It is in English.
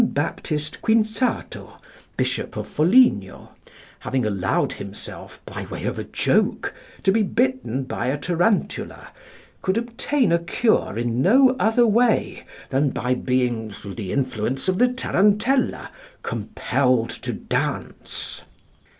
Baptist Quinzato, Bishop of Foligno, having allowed himself, by way of a joke, to be bitten by a tarantula, could obtain a cure in no other way than by being, through the influence of the tarantella, compelled to dance.